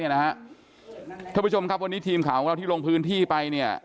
ท่านผู้ชมครับวันนี้ทีมข่าวของเราที่ลงพื้นที่ไปเนี่ย